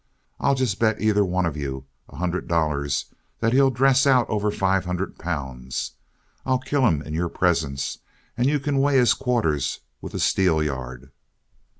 I'll just bet either one of you a hundred dollars that he'll dress out over five hundred pounds; and I'll kill him in your presence and you can weigh his quarters with a steelyard."